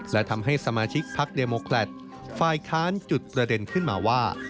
และทำให้สมาชิกพักเดโมแคลตฝ่ายค้านจุดประเด็นขึ้นมาว่า